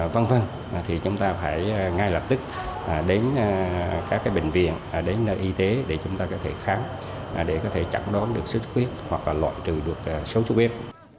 vâng vâng thì chúng ta phải ngay lập tức đến các bệnh viện đến nơi y tế để chúng ta có thể khám để có thể chẳng đón được xuất huyết hoặc là loại trừ được xuất xuất huyết